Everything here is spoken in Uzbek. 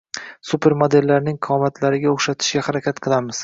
Super modellarning qomatlariga o’xshatishga harakat qilamiz.